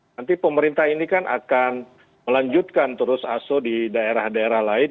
nanti pemerintah ini kan akan melanjutkan terus aso di daerah daerah lain